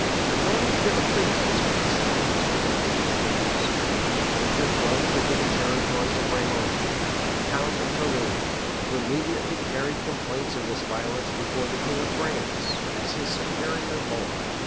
{1189.} In order to give a pretence for hostilities between the two kings, Richard broke into the territories of Raymond, count of Toulouse, who immediately carried complaints of this violence before the king of France, as his superior lord.